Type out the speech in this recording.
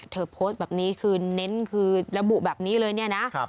เธอโพสต์แบบนี้คือเน้นคือระบุแบบนี้เลยนะ